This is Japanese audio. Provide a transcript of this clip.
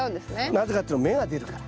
なぜかっていうのは芽が出るから。